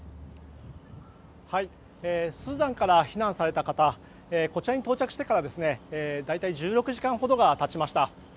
スーダンから避難された方こちらに到着してから大体１６時間ほどが経ちました。